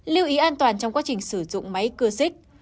lưu ý an toàn trong quá trình sử dụng máy cưa xích